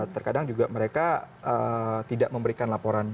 terkadang juga mereka tidak memberikan laporan